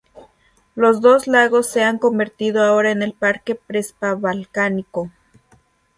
Los dos lagos se han convertido ahora en el Parque Prespa Balcánico.